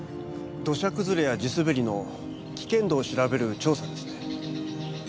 土砂崩れや地滑りの危険度を調べる調査ですね。